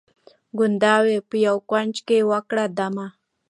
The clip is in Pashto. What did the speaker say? ګوندي وي په یوه کونج کي وکړي دمه